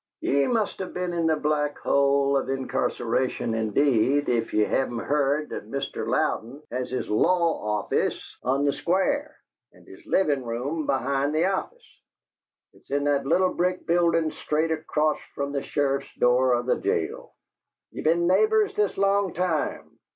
"Ye must have been in the black hole of incarceration indeed, if ye haven't heard that Mr. Louden has his law office on the Square, and his livin' room behind the office. It's in that little brick buildin' straight acrost from the sheriff's door o' the jail ye've been neighbors this long time!